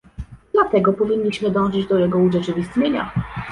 Dlatego powinniśmy dążyć do jego urzeczywistnienia